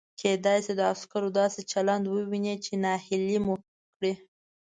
کېدای شي د عسکرو داسې چلند ووینئ چې نهیلي مو کړي.